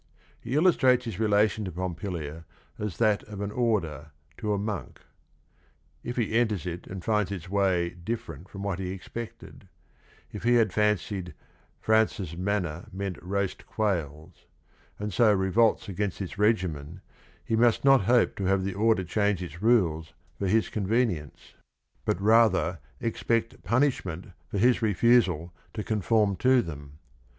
He illus trates his relation to Pompilia as that of an order to a monk. If he enters it and finds its ways different from what he expected; if he had fancied "Francis' manna meant roast quails," and so revolts against its regimen, he must not hope to have the order change its rules for his convenience, but rather expect punishment for his refusal to conform to them.